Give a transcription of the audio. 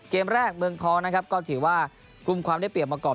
เกมแรกเมืองทองนะครับก็ถือว่ากลุ่มความได้เปรียบมาก่อน